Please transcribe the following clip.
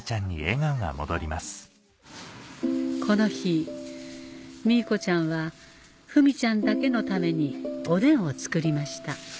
この日ミーコちゃんはフミちゃんだけのためにおでんを作りました